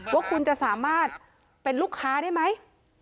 ว่าคุณจะสามารถเป็นลูกค้าได้ไหม